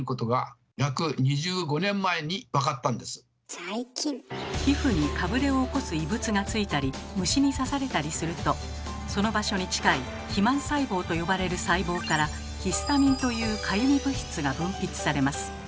そして皮膚にかぶれを起こす異物がついたり虫に刺されたりするとその場所に近い肥満細胞と呼ばれる細胞からヒスタミンというかゆみ物質が分泌されます。